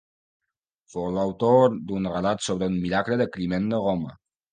Fou l'autor d'un relat sobre un miracle de Climent de Roma.